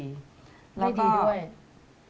ได้ดีด้วย